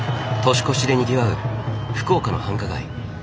年越しでにぎわう福岡の繁華街。